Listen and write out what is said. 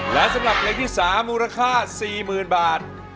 ร้องได้ร้องได้ร้องได้